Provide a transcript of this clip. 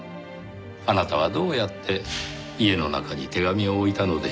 あなたはどうやって家の中に手紙を置いたのでしょう？